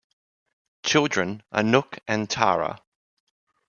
Children: Anouk and Tara.